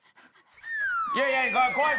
いやいや怖い怖い！